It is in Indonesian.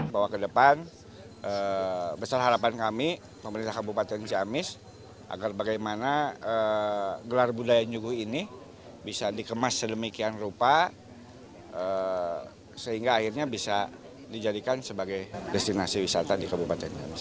bahwa ke depan besar harapan kami pemerintah kabupaten ciamis agar bagaimana gelar budaya nyuguh ini bisa dikemas sedemikian rupa sehingga akhirnya bisa dijadikan sebagai destinasi wisata di kabupaten ciamis